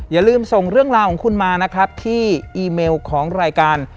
อย่าลืมส่งเรื่องราวของคุณมานะครับที่อีเมลของรายการ